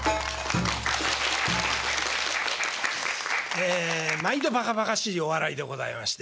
え毎度ばかばかしいお笑いでございまして。